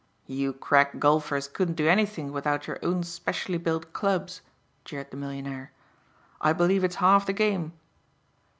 "You crack golfers couldn't do anything without your own specially built clubs," jeered the millionaire, "I believe it's half the game."